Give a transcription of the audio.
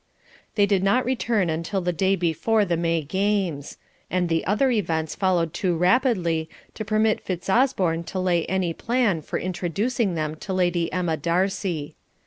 They did not return until the day before the May games; and the other events followed too rapidly to permit Fitzosborne to lay any plan for introducing them to Lady Emma Darcy.